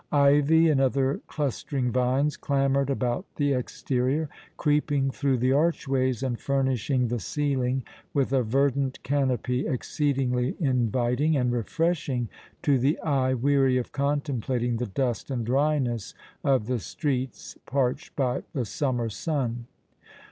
Ivy and other clustering vines clambered about the exterior, creeping through the archways and furnishing the ceiling with a verdant canopy exceedingly inviting and refreshing to the eye weary of contemplating the dust and dryness of the streets parched by the summer sun.